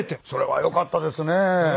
それはよかったですね。